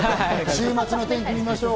週末の天気。